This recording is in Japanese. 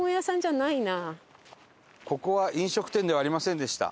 ここは飲食店ではありませんでした。